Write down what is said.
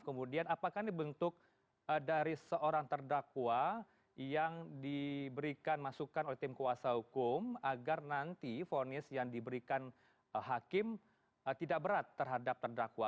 kemudian apakah ini bentuk dari seorang terdakwa yang diberikan masukan oleh tim kuasa hukum agar nanti vonis yang diberikan hakim tidak berat terhadap terdakwa